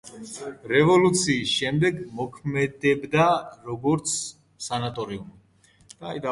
რევოლუციის შემდეგ მოქმედებდა როგორც სანატორიუმი.